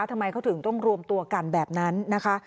ทำไมเขาถึงต้องรวมตัวกันแบบนั้นนะคะ